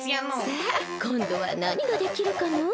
さあこんどはなにができるかな？